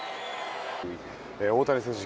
大谷選手